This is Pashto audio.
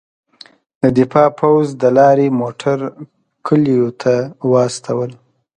د دفاع پوځ د لارۍ موټر کلیو ته واستول.